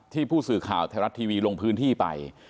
ผู้สื่อข่าวไทยรัฐทีวีลงพื้นที่ไป